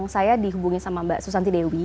saya dihubungi sama mbak susanti dewi